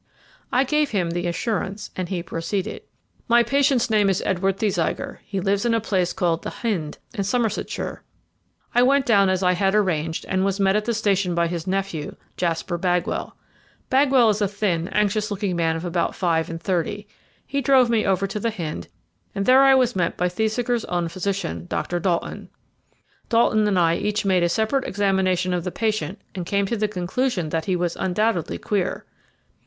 I gave him the assurance, and he proceeded: "My patient's name is Edward Thesiger; he lives in a place called The Hynde, in Somersetshire. I went down as I had arranged, and was met at the station by his nephew, Jasper Bagwell. Bagwell is a thin, anxious looking man of about five and thirty. He drove me over to The Hynde, and I was there met by Thesiger's own physician, Dr. Dalton. Dalton and I each made a separate examination of the patient, and came to the conclusion that he was undoubtedly queer.